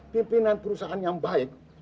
pimpinan perusahaan yang baik